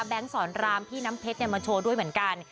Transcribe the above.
แบงค์สรรรามพี่น้ำเพชรเนี่ยมาโชว์ด้วยเหมือนกัน